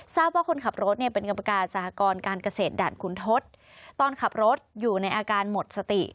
ทราบว่าคนขับรถเนี่ยเป็นกรรมการสหกรการเกษตรด่านคุณทศตอนขับรถอยู่ในอาการหมดสติ